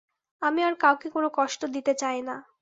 আমি আর কাউকে কোনো কষ্ট দিতে চাই না।